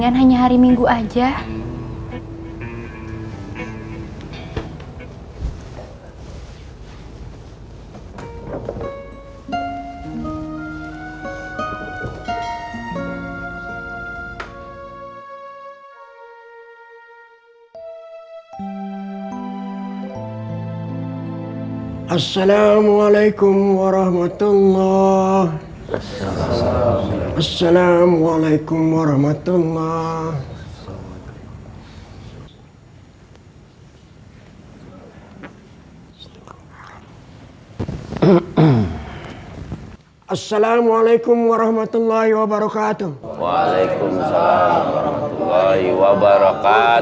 assalamualaikum warahmatullahi wabarakatuh